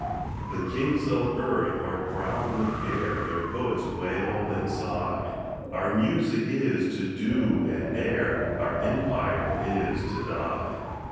The kings of earth are crowned with care, Their poets wail and sigh; Our music is to do and dare, Our empire is to die.